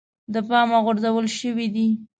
د پامه غورځول شوی دی.